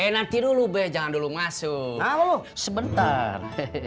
nanti dulu jangan dulu masuk sebentar